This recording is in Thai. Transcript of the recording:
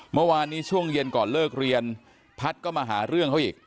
เมื่อวานนี้ช่วงเย็นก่อนเลิกเรียนพัฒน์ก็มาหาเรื่องเขาอีก